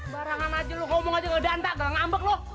barangan aja lo ngomong aja ngedantak gak ngambek lo